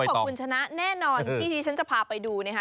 คึกคักของคุณชนะแน่นอนที่ที่ฉันจะพาไปดูเนี่ยฮะ